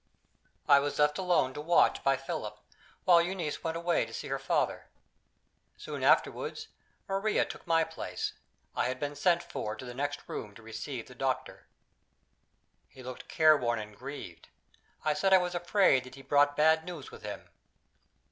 I was left alone to watch by Philip, while Euneece went away to see her father. Soon afterward, Maria took my place; I had been sent for to the next room to receive the doctor. He looked care worn and grieved. I said I was afraid he had brought bad news with him.